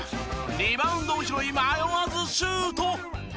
リバウンドを拾い迷わずシュート。